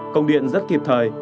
công điện rất thiệp thời